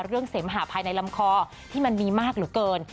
เสมหาภายในลำคอที่มันมีมากเหลือเกิน